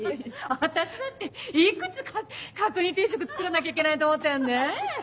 私だっていくつ角煮定食作らなきゃいけないと思ってるの？ねぇ。